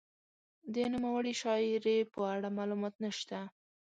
د نوموړې شاعرې په اړه معلومات نشته.